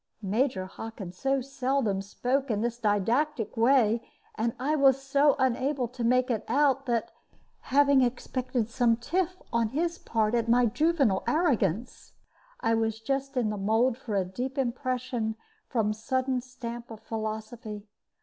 Major Hockin so seldom spoke in this didactic way, and I was so unable to make it out, that, having expected some tiff on his part at my juvenile arrogance, I was just in the mould for a deep impression from sudden stamp of philosophy.